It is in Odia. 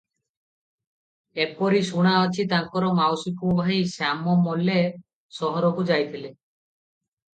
ଏପରି ଶୁଣାଅଛି, ତାଙ୍କର ମାଉସି ପୁଅ ଭାଇ ଶ୍ୟାମ ମଲ୍ଲେ ସହରକୁ ଯାଇଥିଲେ